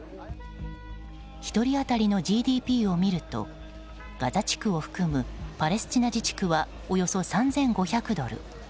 １人当たりのＧＤＰを見るとガザ地区を含むパレスチナ自治区はおよそ３５００ドル。